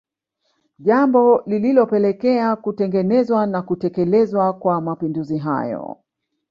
Jambo lilopelekea kutengenezwa na kutekelezwa kwa mapinduzi hayo